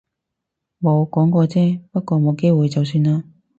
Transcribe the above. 冇，講過啫。不過冇機會就算喇